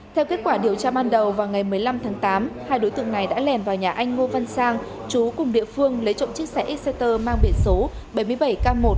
theo kết quả điều tra ban đầu vào ngày một mươi năm tháng tám hai đối tượng này đã lèn vào nhà anh ngô văn sang chú cùng địa phương lấy trộm chiếc xe x setter mang biển số bảy mươi bảy k một một mươi ba nghìn hai trăm năm mươi ba